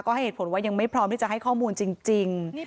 ก็ให้เหตุผลว่ายังไม่พร้อมที่จะให้ข้อมูลจริง